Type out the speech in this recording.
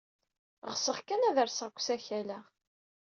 Ɣseɣ kan ad rseɣ seg usakal-a.